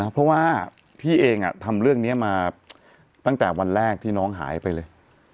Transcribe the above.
เพราะว่าพี่เองทำเรื่องนี้มาตั้งแต่วันแรกที่น้องหายไปเลย